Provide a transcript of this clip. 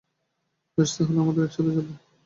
বেশ তাহলে আমরা একসাথে যাব।